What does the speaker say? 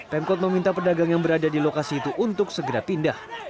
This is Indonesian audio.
pemkot meminta pedagang yang berada di lokasi itu untuk segera pindah